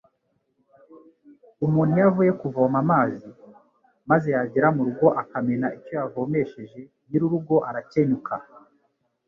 Umuntu iyo avuye kuvoma amazi, maze yagera mu rugo akamena icyo yavomesheje, nyirurugo arakenyuka